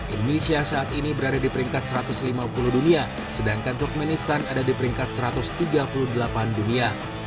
indonesia saat ini berada di peringkat satu ratus lima puluh dunia sedangkan turkmenistan ada di peringkat satu ratus tiga puluh delapan dunia